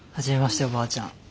初めましておばあちゃん。